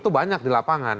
itu banyak di lapangan